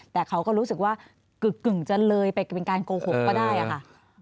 แต่เขาก็รู้สึกว่ากึ่งจะเลยไปเป็นการโกหกก็ได้ค่ะ